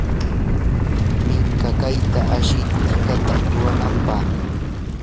minkayta ashi tikata ruranampaq.